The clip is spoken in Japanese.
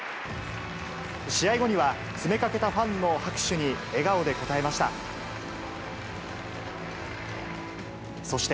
試合後には、詰めかけたファンの拍手に笑顔で応えました。